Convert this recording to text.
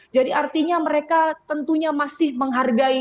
jadi artinya mereka tentunya masih menghargai